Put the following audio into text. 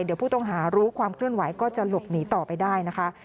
เดี๋ยวผู้ต้องหารู้ความเคลื่อนไหวก็จะหลบหนีต่อไปได้นะคะ